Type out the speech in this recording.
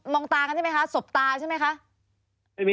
งตากันใช่ไหมคะสบตาใช่ไหมคะ